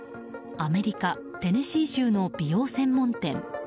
アメリカ・テネシー州の美容専門店。